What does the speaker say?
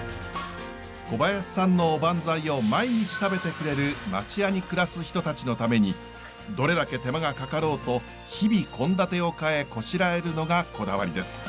小林さんのおばんざいを毎日食べてくれる町家に暮らす人たちのためにどれだけ手間がかかろうと日々献立を変えこしらえるのがこだわりです。